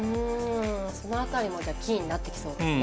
その辺りもキーになってきそうですね。